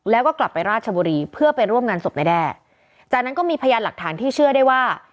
แล้วก็กลับไปราชบุรีเพื่อไปร่วมงานศพนายแด้จากนั้นก็มีพยานหลักฐานที่เชื่อได้ว่า